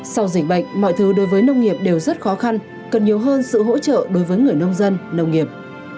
sau dịch bệnh mọi thứ đối với nông nghiệp đều rất khó khăn cần nhiều hơn sự hỗ trợ đối với người nông dân nông nghiệp